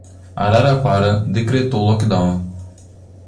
Araraquara decretou lockdown